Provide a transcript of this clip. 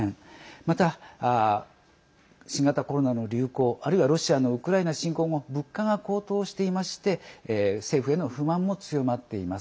また、新型コロナの流行あるいはロシアのウクライナ侵攻も物価が高騰していまして政府への不満も強まっています。